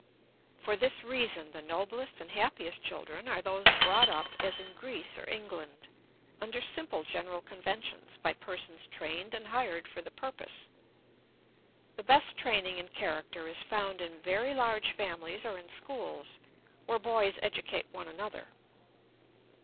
For this reason the noblest and happiest children are those brought up, as in Greece or England, under simple general conventions by persons trained and hired for the purpose. The best training in character is found in very large families or in schools, where boys educate one another.